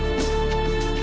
nhiều bạn hãy đăng kí